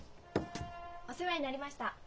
お世話になりました。